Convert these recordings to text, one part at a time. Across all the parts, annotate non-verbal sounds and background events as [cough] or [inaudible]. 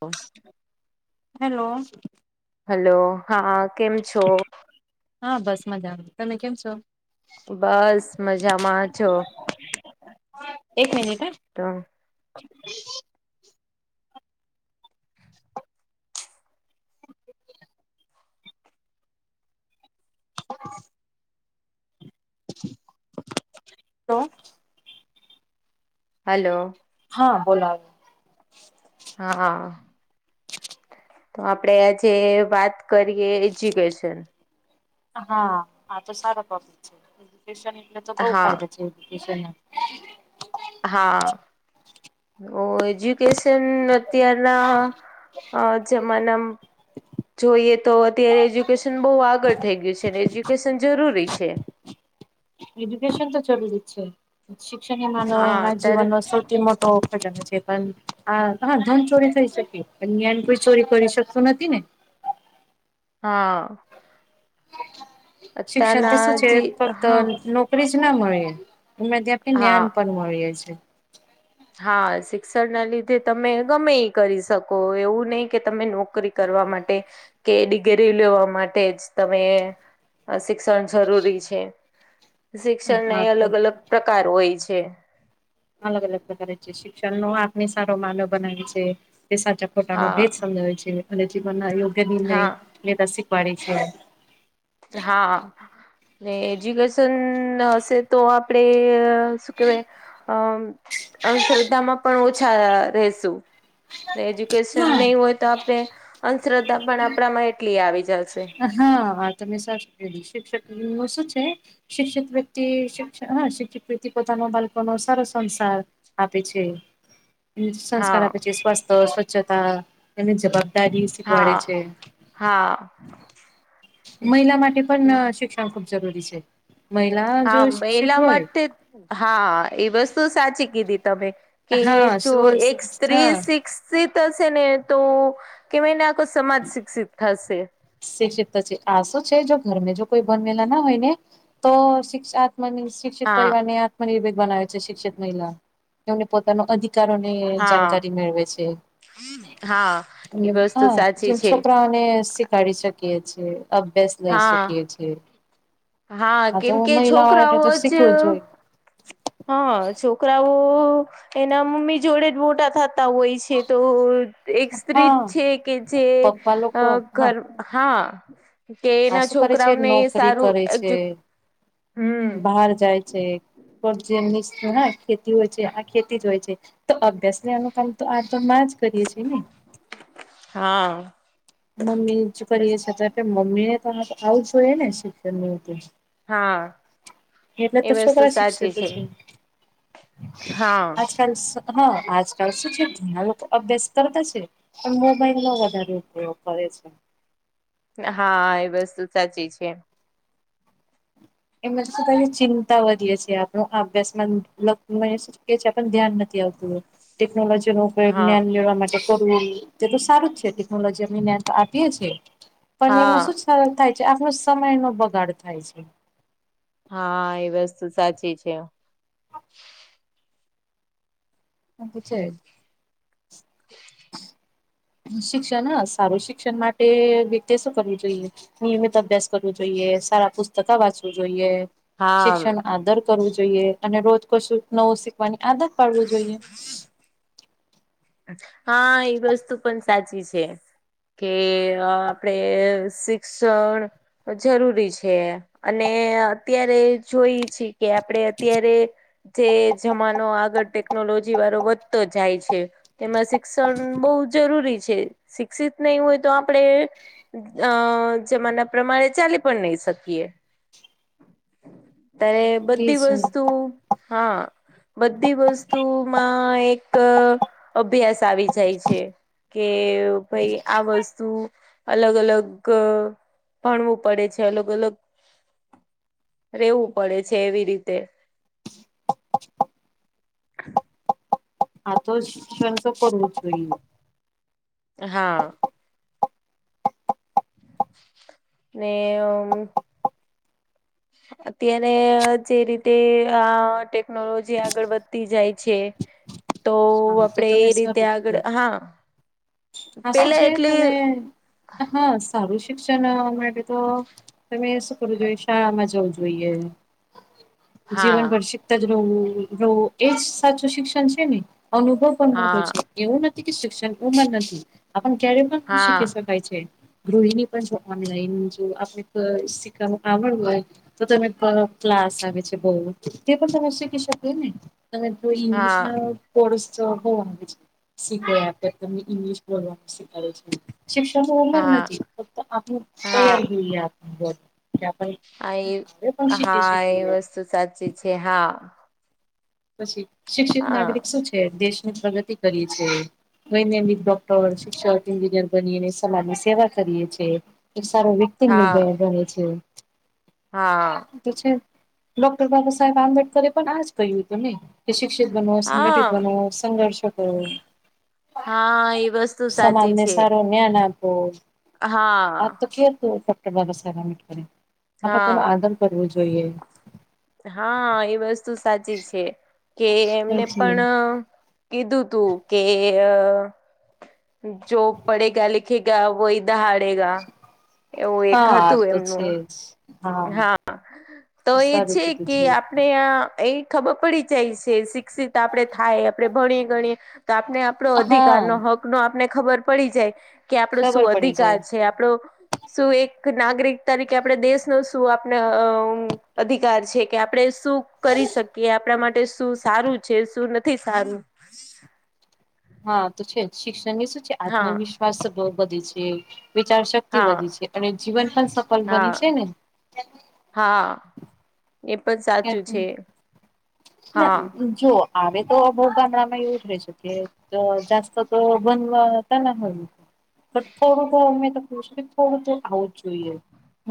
હોય hello hello. હા કેમ છો? હા બસ મજામાં. તમે કેમ છો? બસ મજામાં જો. એક મિનિટ હા. ત [unintelligible] [inaudible] તો હલો હા બોલાવે. હા હા. તો આપડે આજે વાત કરીએ એજ્યુકેશન. હા આ તો સારો ટોપિક છે એજયુકેસન એટલે તો બોવ હા ફાયદો છે એજ્યુંકેસન નો. હા ઓ એજ્યુકેશન અત્યારના આ જમાંના મ જોઈએ તો અત્યારે એજ્યુકેશન બો આગળ થઈ ગયું છે ને એજ્યુકેશન જરૂરી છે. એજ્યુકેશન તો જરૂરી જ છે શિક્ષણની હા માનવ અત્યારે જીવનનો સોં એ મોટો ખજનો છે પણ આ હા ધન ચોરી થઈ શકે પણ જ્ઞાન કોઈ ચોરી કરી શકતું નથી ને. હા. શિક્ષણ થી અત્યારના સુ છે જે ફક્ત હા નો નોકરી જ ના મળીએ અને ત્યાં પણ હા જ્ઞાન પણ મળીએ છીએ. હા શિક્ષણ ના લીધે તમે ગમે ઈ કરી શકો એવું નય કે તમે નોકરી કરવા માટે કે ડિગ્રી લેવા માટે જ તમે શિક્ષણ જરૂરી છે. શિક્ષણને હા તો અલગ અલગ પ્રકાર હોય છે. અલગ અલગ પ્રકારે છે શિક્ષણ નો આપને સારો માનવ બનાવે છે તે સાચો ખોટા નો હા ભેદ સમજાવે છે અને જીવન ના યોગ્ય નિર્ણય હા લેતા શીખવાડે છે. હા, એજ્યુકેશન હશે તો આપણેે શું કેવાય, અ અંધશ્ર્ધામાં પણ ઓછા રેશું. એજ્યુકેશન નય હા હોય તો આપણે, અંધ્રદ્ધા પણ આપણામાં એટલી આવી જશે. હા આ તમે સાચૂં કીધુ શિક્ષક નું શું છે. શિક્ષિત વ્યક્તિ શિક્ષ શિક્ષિત વ્યક્તિ પોતાનો બાલકોનો સારો સંસાર આપે છે. એ સંસ્કાર હા આપે છે સ્વાસ્થ્ય સ્વચ્છતા, એની જવાબદારી શીખવાડે હા છે. હા. મહિલા માટે પણ શિક્ષણ ખૂબ જરૂરી છે, મહિલા જો હા એલા શિક્ષિત હોય. માટે હા એ વસ્તુ સાચી કીધી તમે, કે હા જો સ્વ એક સ્ત્રી હા સિક્સ ક્ષિત હશે ને તો, કેવાયને આખો સમાજ શિક્ષિત થશે. શિક્ષિત છે આ શું છે જો ઘરમે જો કોઈ બનવેલા ના હોય ને. તો શિક્ષ આત માની શિક્ષિત હા પરિવાર ને આત્મનિર્ભેર બનાવે છે શિક્ષિત મહિલા, એને પોતાનો અધિક કારણે જાનકારી હા મેળવે છે, હા એ હ વસ્તુ જે સાચી છે છોકરા શીખાડી શકીએ છે અભ્યાસ લઈ હા શકીએ છે. હા આ તો કેમ હો કે મહિલાઓ માટે છોકરાઓ તો શીખવું જ જોય. હા છોકરાઓ એના મમ્મી જોડે જ મોટા થતા હોય છે. છે તો એક સ્ત્રી હા છે કે જે, પપ્પા લોકો હા ઘર હા, કે હા એના શું કરે છે છોકરાવ ને નોકરી સારું કરે એજ છે બહાર જાય છે. પબ જેમ ખેતી હોય છે આ ખેતી જ હોય છે. તો અભ્યાસ લેવાનું કામ તો આ તો માં જ કરીએ છીએ ને. હા. મમ્મીજ કરીએ અ્યારે મમ્મી ને તો આવું જોઈએ ને શિક્ષણને એવું તો. હા. એટલે એ તો વસ્તુ છોકરા શીખશે, સાચી છે પછી હા આકાલ હા આજકાલ શું છે ઘણા લોકો અભ્યાસ કરતા છે. પણ મોબાઈલ નો વધારે ઉપયોગ કરે છે. હા એ વસ્તુ સાચી છે. એમાં શું ચિંતા વધીએ છીએ આપણ અભ્યાસમાં લગ શ છે આપ ધ્યાન નથી. ટેકનોલોજી નો ઉપયોગ હા જ્ઞન લેવા માટે કરું તે તો સારું જ છે ટેકનોલોજી અમે તો આપીએ છીએ, પણ હા એમનું શું છે. થાય છે આપનો સમય નો બગાડ થાય છે. હા એ વસ્તુ સાચી છે. [unintelligible] શિક્ષણ હ સારું શિક્ષણ માટે વ્યક્તિએ શું કરવું જોઈએ? નિયમિત અભ્યાસ કરવું જોઈએ સારા પુસ્તકો વાંચવું જોઈએ. હા શિક્ષણનું આદર કરવું જોઈએ અને રોજ કશું નવું શીખવાની આદર કરવું જોઈએ. હા એ વસ્તુ પણ સાચી છે. કે આપડે શિક્ષણ જરૂરી છે. અને અત્યારે જોઈએ છે કે આપડે અત્યારે જે જમાનો આગળ ટેકનોલોજી વાળો વધતો જાય છે. તેમાં શિક્ષણ બોઉ જરૂરી છે, શિક્ષિત નઈ હોય તો આપણે અ જમાના પ્રમાણે ચાલી પણ નઈ શકીએ. અત્યારે તે બધી છે વસ્તુ હા બધી વસ્તુઓમાં એક અભ્યાસ આવી જાય છે. કે ભાઈ આ વસ્તુ અલગ અલગ ભણવું પડે છે. અલગ અલગ રહેેવું પડે છે એવી રીતે આ તો શિક્ષણ તો કરવું જ જોઈએ. હા. ને અત્યારે જે રીતે આ ટેકનોલોજી આગળ વધતી જાય છે. તો હા તો આપડે તમે એ રીતે સારું આગળ કીધું હા આ શું પેલા છે એટલે તમે. હા સારું શિક્ષણવા માટે તો તમે શું કરું જોઈએ શાળામાં જવું જોઈએ. હા જીવનભર શીખતા જ રહેવું રહેવું એજ સાચું શિક્ષણ છે ને. અનુભવ પણ મોટો હા છે. એવું નથી કે શિક્ષણ [unintelligible] નથી. આપણે ક્યારે પણ હા શીખી શકીએ. થાય છે. [inaudible] પણ ઓનલાઈન જો આપણે શીખવાની આવડ હોય તો તમે ક્લાસ આવે છે બોઉ. તે પણ તમે શીખી શકો ને. તમે કોઈ હા ઈનીશનલ [unintelligible] તમને ઇંગ્લિશ બોલવાનું શીખાવાડે છે. શિક્ષણની ઉમર હા નથી. ફક્ત આપડી હા તૈયાર જોઈએ આપ જે આપણ ને પણ શીખી શકીએ. તો સાચી છે હા. પછી શિક્ષિત હા નાગરિક શું છે? દેશની પ્રગતિ કરી છે. [inaudible] કો શિક્ષક એન્જિનિયર બની સમાજની સેવા કરીએ છીએ. એક સારો [unintelligible] સિંગલ હા બને છે. હા. તો છે ડોક્ટર બાબાસાહેબ આંબેડકરે પણ આજ કહ્યું હતું ને? કે શિક્ષિત બનો સંઘટિત હા બનો સંઘર્ષ કરો. હા એ વસ્તુ સાચી છે. ન્યા નાં તો હા આ જ તો કહ્યું હતું ડોક્ટર બાબાસાહેબ આંબેડકરે. આપણે તેનો હા આદર કરવો જોઈએ. હા એ વસ્તુ સાચી છે કે એમને પણ કીધું હતું કે જો પડેગા લિખેગા વો ઈતિહાસ બદલેગા એવું એક હા હતું તો છે એમનું. જ હા તો એ સારું છે કીધું કે આપણે આ ખબર પડી જાય છે શિક્ષિત આપણે થાય આપણે ભણીએ ગણીએ તો આપને આપડો હા અધિકારનો હક નો આપને ખબર પડી જાય. કે આપડો ખબર શું પડી અધિકાર જાય છે. આપડો શું એક નાગરિક તરીકે આપણે દેશ શું આપનો અધિકાર છે કે આપણે શું કરી શકીએ આપણા માટે શું સારું છે શું નથી સારું. હા તો છે શિક્ષણની શું છે, હા આત્મવિશ્વાસ બધી છે વિચારશક શતિ હા બધી છે અને જીવન પણ સફલ બની છે હા ને? હા એ પણ સાચું છે હા. જો આવે તો ભોગા નામે એવું જ રહેશે. એ તો જાસ્ત તો બનવા ત ના હોય? બ થોડું તો અમે તો ક છું કે થોડું તો આવઉ છ.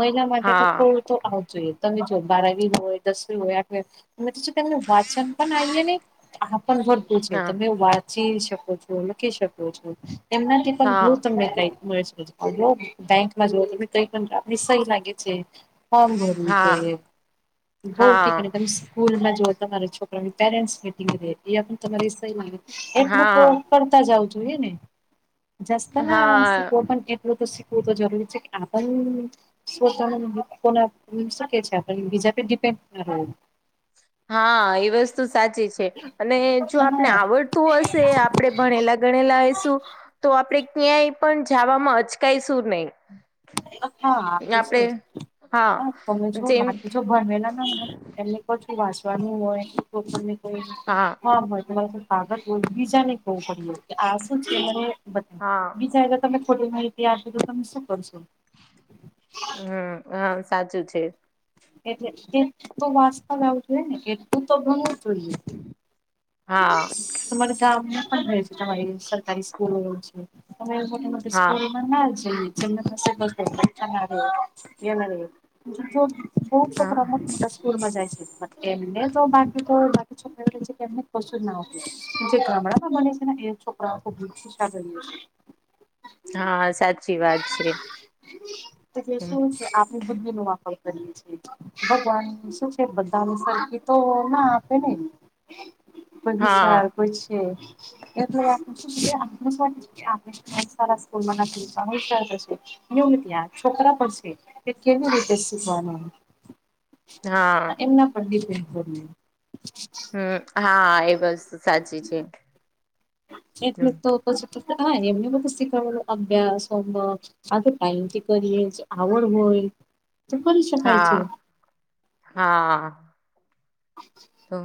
મહિલા માટે તો હા થોડું તો આવ જોઈએ તમે જો બારાવી હોય, દસ હો તોનું વાચન પણ આવીએ નહી આ છે હા તમે વાંચી શકો છો લખી શકો છો? એમનાથી પણ હા બહુ તમને કઈ મળી શ હ બેંકમાં જોવ તને કઈ પણ આપને સહી લાગે છે, ફોર્મ ભરવું હા જોઈએ. બઉ કે હા તમે સ્કૂલમાં જોઓ તમારા છોકરાની પેરેન્ટ્સ મીટિંગ અં પણ તમારી સહી એટલું તો હા કરતા જાવું જોઈએ ને? જસ્ત ના હા શીખવો પણ એટલું તો તો જરૂરી છે કે આપના શકે છે બીજા [inaudible] હા એ વસ્તુ સાચી છે. અને જો આપને હા આવડતું હશે આપડે ભણેલા ગણેલા હશું તો આપણેે ક્યાંય પણ જવામાં અચકાયશું નહી. હા તો છે આપડે હા હ તમે જો જેમ બાકી જો ભણેલા ને એ કછું વાંચવાનું હોય તો કોઈ હા હ હો તમારે કાગત હો બીજાને કવું પડ્યું આ શું છે રે હા બીજા તો તમે ખોટી માહિતી આપજો તો તમે શું કરશો? હમ હ સાચું છે. એટલે કેટલું તો વાચતા લાવવું જોઈએ ને કેટલું તો ભણવું જ જોઈએ. હા તમારા ગામમાં પણ હો છે તમારી સરકારી સ્કૂલો છે મો મોટી હા સ્કૂલો છે ચંદ પ્રસાદકના ગના [inaudible] ખુબ હા છોકરા મોટા સ્કૂલ માં જાય છેમ તો બાકી તો બાકી છોક કેને કશું જ ના હોય જે ગામડામાં બને છેને એ છોકરાબીઈએ છ છે હા સાચી વાત છે. એલે હમ, શું છે આપણે બુદ્ધિ નો વાપર કરીએ છીએ. ભગવાન શું છે, બધાની સરખી તો ના આપે ને? કોઈ ગુસાર હા કોઈ છે એ [inaudible] સારા સ્કૂલમાં નથી વિચારશે. ત્યાં છોકરા પણ છે તે કેવી રીતે શીખવાનું? હા એમના પ [unintelligible] હમ હા એ બસ્તુ સાચી છે. એટલે હમ, તો પછી હા એમને બધ શીખડલ અભ્યાસ હોમવર્ક આ તો ટાઈમથી કરીએ આવડ હોય તો કરી શકાય છે. હા હા તો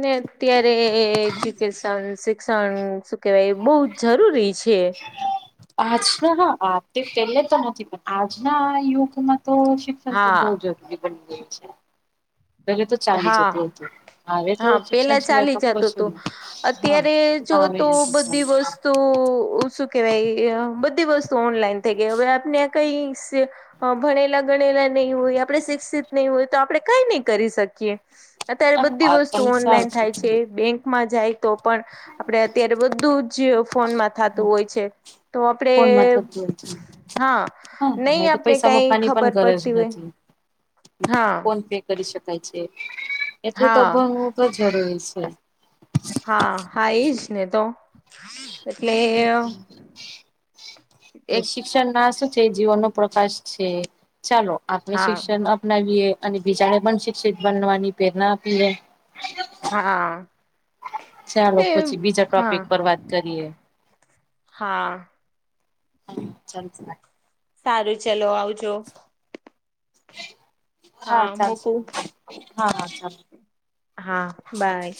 ને અત્યારે એજ્યુકેશન શિક્ષણ શું કેહેવાય બહુ જરૂરી છે. આજના હા તે પહેલે તો નથી પણ આજના યુગમાં તો તો હા બહ જરૂરી બની ગય છે., પેલે તો ચાલી હા જતું હતું હવે તો હા શિક્ષણ પેલા સિવાય ચાલી તો જતું કશું હતું, નહી અત અત્યારે જો આવે તો નથી બધી ચાલતું વસ્તુ કે ભાઈ બધી વસ્તુ ઓનલાઈન થઈ ગઈ હવે આપને કઈ અ ભણેલા ગણેલા નહીં હોય આપણે શિક્ષિત નહી હોય તો આપડણે કઈ નહી કરી શકીએ. અત્યારે બધી આ વસ્તુ તમે ઓનલાઈન સારું થાય છે બેંકમાં જાય તો પણ. આપડ અત્યારે બધું જ ફોનમાં થતું હોય છે, તો આપણેે ફોનમાં થતું હતું હા, હા હવે નહી તો આપને પૈસા કઈ મુકવાની પણ ખબર ગરજ પડતી હોય. નથી હા ફોન પે કરી શકાય છે, એટલ તો હા ભણવું તો જરૂરી છે. હા હા એજ ને તો. એટલે, છે એક શિક્ષણ ના શું છે જીવન નો પ્રકાશ છે, ચાલો આપણે હા શિક્ષણ અપનાવીએ અને બીજાને પણ શિક્ષિત બનવાની પ્રેરણા આપીએે. હા, ચાલો એ પછી બીજા ટોપિક હા. પર વાત કરીએ હા. ચાલસ. સારું ચલો આવજો. હા ચાલશેાલ હા, હા ચાલ. હા બાય.